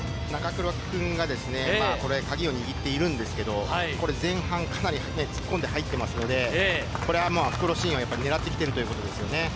中倉君がですね、これ、鍵を握っているんですけれども、これ、前半かなり突っ込んで入ってますので、これはまあ、復路新をねらってきているということですよね。